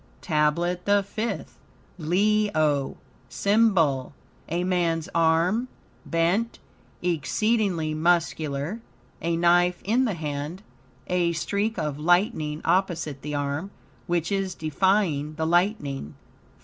TABLET THE FIFTH Leo SYMBOL A man's arm, bent, exceedingly muscular, a knife in the hand, a streak of lightning opposite the arm, which is defying the lightning.